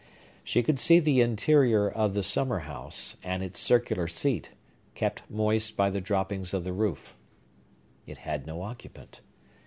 She could see the interior of the summer house, and its circular seat, kept moist by the droppings of the roof. It had no occupant.